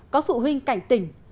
có phụ huynh cảnh tỉnh